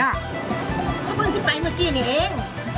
เขาเพิ่งที่ไปเมื่อกี้นี่เอง